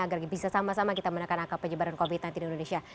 agar bisa sama sama kita menekan angka penyebaran covid sembilan belas di indonesia